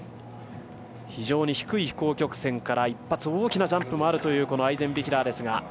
非常に低い飛行曲線から一発大きなジャンプもあるというこのアイゼンビヒラーですが。